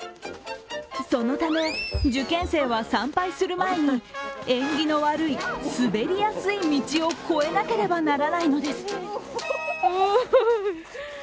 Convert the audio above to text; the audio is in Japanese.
そのため、受験生は参拝する前に縁起の悪いスベりやすい道を越えなければならないのです。